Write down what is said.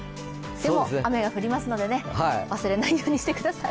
でも、雨は降りますので、忘れないようにしてください。